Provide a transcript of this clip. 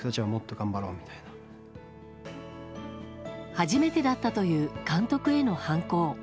初めてだったという監督への反抗。